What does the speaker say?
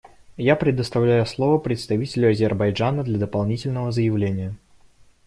Я предоставляю слово представителю Азербайджана для дополнительного заявления.